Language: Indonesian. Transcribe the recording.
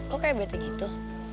lo kayak bete gitu